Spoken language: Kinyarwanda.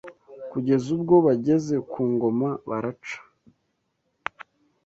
kugeza ubwo bageze ku ngoma baraca